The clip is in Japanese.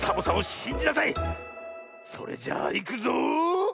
それじゃあいくぞ。